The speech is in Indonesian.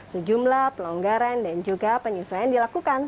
sejumlah pelonggaran dan juga penyesuaian dilakukan